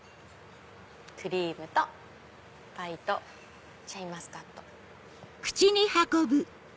クリームとパイとシャインマスカット。